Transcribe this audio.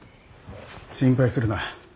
心配するな。